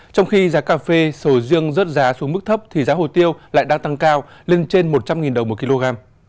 trong khi giá cà phê sầu riêng rớt giá xuống mức thấp thì giá hồ tiêu lại đang tăng cao lên trên một trăm linh đồng một kg